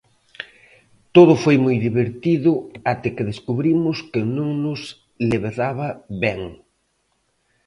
Todo foi moi divertido até que descubrimos que non nos levedaba ben.